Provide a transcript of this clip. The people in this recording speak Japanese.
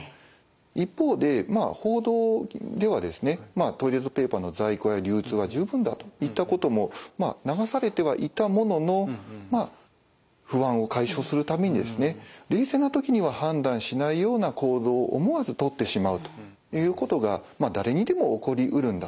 一方で報道ではですねトイレットペーパーの在庫や流通は十分だといったことも流されてはいたものの不安を解消するためにですね冷静な時には判断しないような行動を思わずとってしまうということが誰にでも起こりうるんだと。